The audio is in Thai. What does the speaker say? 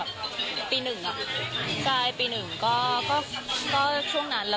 เรียกว่าอะไรดีอ่ะ